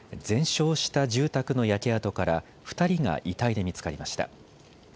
全焼した住宅の焼け跡から２人が遺体で見つかりました。